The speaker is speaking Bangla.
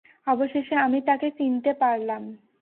অবশেষে আমি তাকে চিনতে পারলাম।